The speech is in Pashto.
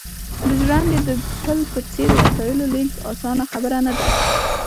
د ژرندې د پل په څېر وسایلو لېږد اسانه خبره نه ده